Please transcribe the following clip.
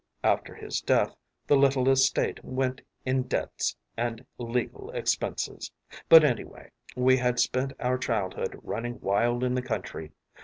After his death the little estate went in debts and legal expenses; but, anyway, we had spent our childhood running wild in the country.